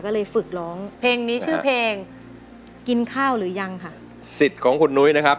ก็เลยฝึกร้องเพลงนี้ชื่อเพลงกินข้าวหรือยังค่ะสิทธิ์ของคุณนุ้ยนะครับ